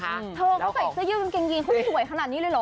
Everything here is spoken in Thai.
เขาใส่เสื้อยืนเกงเยนเขาไม่สวยขนาดนี้เลยหรอ